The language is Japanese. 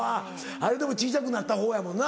あれでも小ちゃくなったほうやもんな。